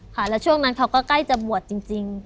ค่ะแล้วช่วงนั้นเขาก็ใกล้จะบวชจริง